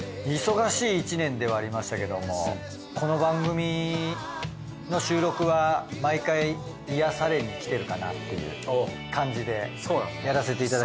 忙しい１年ではありましたけどもこの番組の収録は毎回癒やされに来てるかなっていう感じでそうなんですか？